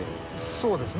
そうですね。